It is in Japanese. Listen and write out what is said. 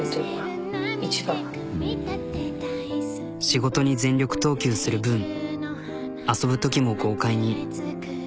仕事に全力投球する分遊ぶときも豪快に。